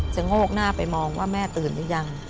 โงกหน้าไปมองว่าแม่ตื่นหรือยัง